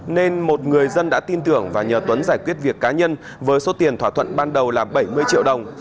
nên một người dân đã tin tưởng và nhờ tuấn giải quyết việc cá nhân với số tiền thỏa thuận ban đầu là bảy mươi triệu đồng